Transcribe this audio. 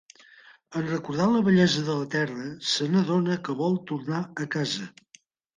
En recordar la bellesa de la Terra, se n'adona que vol tornar a casa.